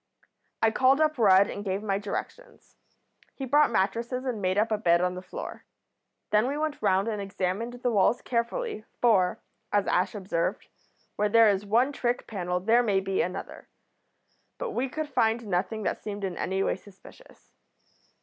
"I called up Rudd and gave my directions. He brought mattresses and made up a bed on the floor. Then we went round and examined the walls carefully, for, as Ash observed, where there is one trick panel there may be another. But we could find nothing that seemed in any way suspicious.